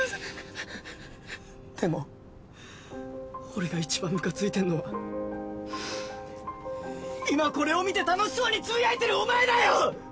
でも俺が一番むかついてんのは今これを見て楽しそうにつぶやいてるお前だよ！